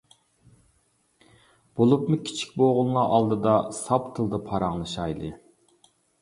بولۇپمۇ كىچىك بوغۇنلار ئالدىدا ساپ تىلدا پاراڭلىشايلى!